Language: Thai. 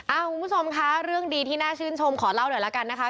คุณผู้ชมคะเรื่องดีที่น่าชื่นชมขอเล่าหน่อยละกันนะคะ